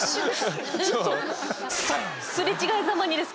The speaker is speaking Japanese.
すれ違いざまにですか？